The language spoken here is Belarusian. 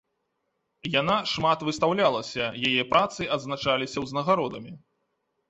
Яна шмат выстаўлялася, яе працы адзначаліся ўзнагародамі.